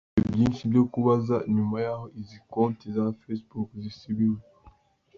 "Dufite byinshi byo kubaza nyuma yaho izi konti za Facebook zisibiwe.